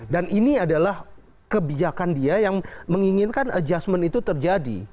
dan ini adalah kebijakan dia yang menginginkan adjustment itu terjadi